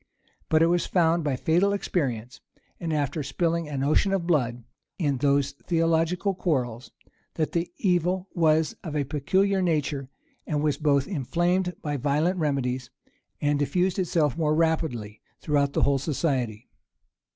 But it was found by fatal experience, and after spilling an ocean of blood in those theological quarrels, that the evil was of a peculiar nature, and was both inflamed by violent remedies, and diffused itself more rapidly throughout the whole society.